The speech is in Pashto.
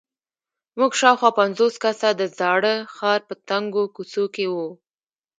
موږ شاوخوا پنځوس کسه د زاړه ښار په تنګو کوڅو کې وو.